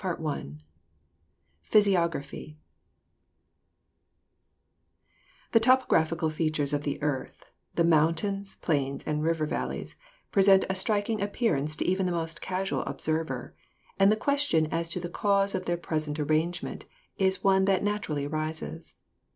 CHAPTER XII PHYSIOGRAPHY The topographical features of the earth, the mountains, plains and river valleys, present a striking appearance to even the most casual observer, and the question as to the cause of their present arrangement is one that naturally arises.